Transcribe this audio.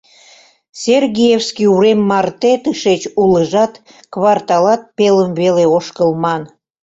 Сергиевский урем марте тышеч улыжат кварталат пелым веле ошкылман.